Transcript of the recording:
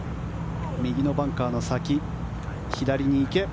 右のバンカーの先、左に池。